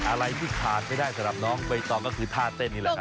อะไรที่ขาดไม่ได้สำหรับน้องใบตองก็คือท่าเต้นนี่แหละครับ